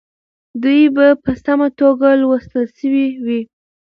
دوی به په سمه توګه لوستل سوي وي.